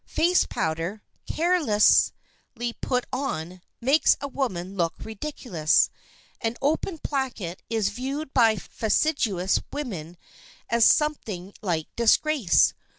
Face powder, carelessly put on, makes a woman look ridiculous. An open placket is viewed by a fastidious woman as something like disgrace.